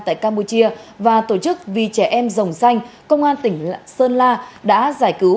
tại campuchia và tổ chức vì trẻ em dòng xanh công an tỉnh sơn la đã giải cứu